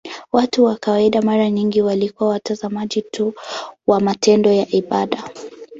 Watu wa kawaida mara nyingi walikuwa watazamaji tu wa matendo ya ibada.